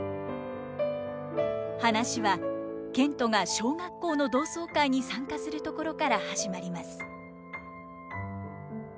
話は憲人が小学校の同窓会に参加するところから始まります。